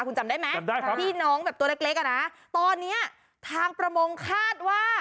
คุณจำได้ไหมที่น้องแบบตัวเล็กเล็กอ่ะนะตอนเนี้ยทางประมงคาดว่า